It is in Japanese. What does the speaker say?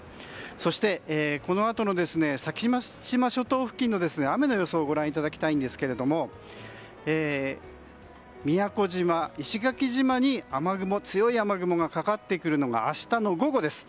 そして、このあとの先島諸島付近の雨の予想をご覧いただきたいんですけれども宮古島、石垣島に強い雨雲がかかってくるのが明日の午後です。